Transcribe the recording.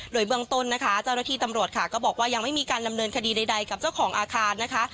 โดยเบื้องต้นนะคะเจ้าหน้าที่ตำรวจค่ะก็บอกว่ายังไม่มีการดำเนินคดีใดกับเจ้าของอาคารนะคะ